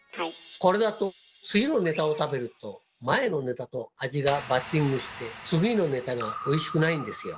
これだと次のネタを食べると前のネタと味がバッティングして次のネタがおいしくないんですよ。